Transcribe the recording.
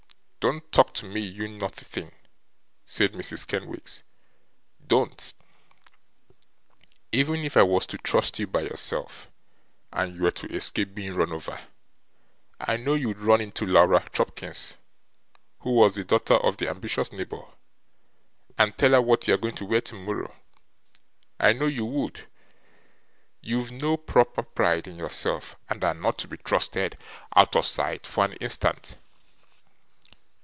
'Don't talk to me, you naughty thing!' said Mrs. Kenwigs, 'don't! Even if I was to trust you by yourself and you were to escape being run over, I know you'd run in to Laura Chopkins,' who was the daughter of the ambitious neighbour, 'and tell her what you're going to wear tomorrow, I know you would. You've no proper pride in yourself, and are not to be trusted out of sight for an instant.